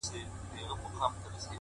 ته راځې خالقه واه واه سل و زر سواله لرمه